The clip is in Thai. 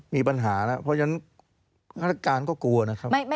มีปัญหาแล้วเพราะฉะนั้นฆาตการก็กลัวนะครับ